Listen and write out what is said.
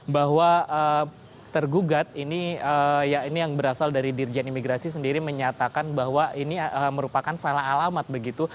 bahwa tergugat ini ya ini yang berasal dari dirjen imigrasi sendiri menyatakan bahwa ini merupakan salah alamat begitu